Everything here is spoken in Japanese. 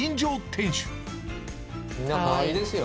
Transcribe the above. みんなかわいいですよ。